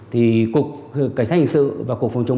thì cục cảnh sát hình sự và cục phòng chống